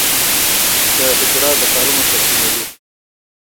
د حجره د کارونو تنظیموي.